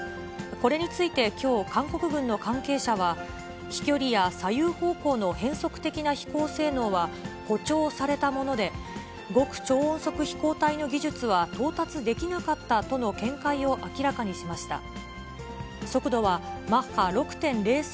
これについてきょう、韓国軍の関係者は、飛距離や左右方向の変則的な飛行性能は、誇張されたもので、極超音速飛行体の技術は到達できなかったとの見解を明らかにしました。